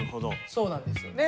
そうなんですよね。